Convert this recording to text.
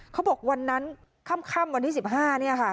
เขาบอกวันนั้นค่ำวันที่๑๕เนี่ยค่ะ